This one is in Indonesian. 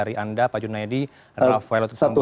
terima kasih anda pak junaidi raffaello terusambodo